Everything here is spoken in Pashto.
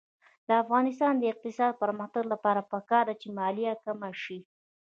د افغانستان د اقتصادي پرمختګ لپاره پکار ده چې مالیه کمه شي.